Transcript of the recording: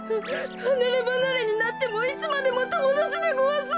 はなればなれになってもいつまでもともだちでごわす。